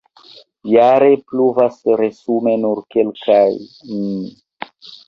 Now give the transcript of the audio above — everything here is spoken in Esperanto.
Jare pluvas resume nur kelkaj mm.